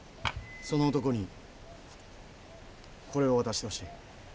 その男にこれを渡してほしい。